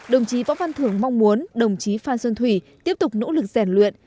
đồng chí võ văn thường mong muốn đồng chí phan xuân thủy tiếp tục nỗ lực giản luyện